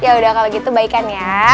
yaudah kalo gitu baikan ya